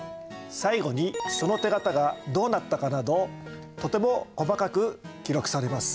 最後にその手形がどうなったかなどとても細かく記録されます。